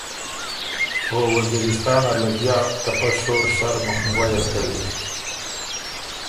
او وزیرستان نر لګیا ته پۀ شور شر مُخنیوئ يې بو کوی“